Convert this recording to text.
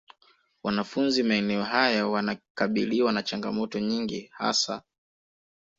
Wanafunzi maeneo haya wanakabiliwa na changamoto nyingi hasa